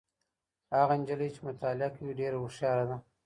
هغه نجلۍ چي مطالعه کوي ډېره هوښياره ده.